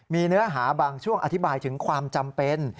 มีเนื้อหาบางช่วงอธิบายถึงความจำเป็น